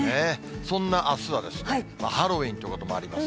そんなあすはですね、ハロウィーンということもあります。